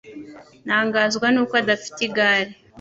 Ntangazwa nuko adafite igare.